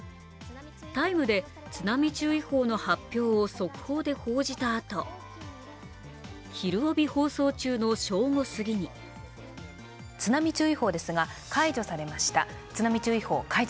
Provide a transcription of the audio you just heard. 「ＴＩＭＥ」で津波注意報の発表を速報で報じたあと「ひるおび」放送中の正午過ぎに津波注意報ですが解除されました。